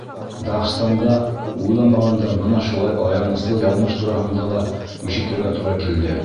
Дағстанда уйламағанда бына шулай аяныслы яҙмыш тураһында ла ишетергә тура килде.